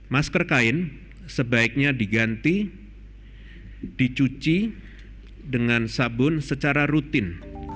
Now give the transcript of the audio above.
masker kain sebaiknya diganti dicuci dengan sabun secara rutin